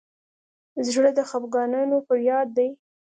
زړه د خفګانونو فریاد دی.